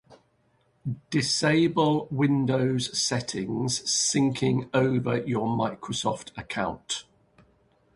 Disable Windows settings syncing over your Microsoft account.